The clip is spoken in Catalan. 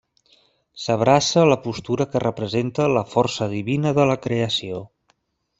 S'abraça la postura que representa la força divina de la creació.